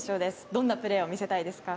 どんなプレーを見せたいですか？